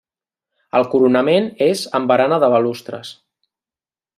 El coronament és amb barana de balustres.